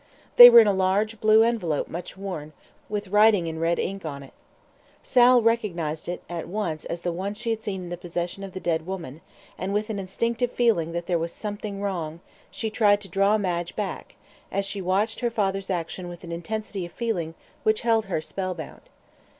They were in a large blue envelope much worn, with writing in red ink on it. Sal recognised it at once as the one she had seen in the possession of the dead woman, and with an instinctive feeling that there was something wrong, she tried to draw Madge back, as she watched her father's action with an intensity of feeling which held her spell bound.